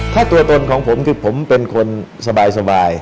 ถ้าตัวตนของผมคือผมเป็นคนสบาย